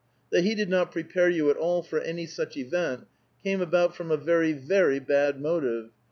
That lie did not prepare you at all for any such event came about from a very, very bad motive.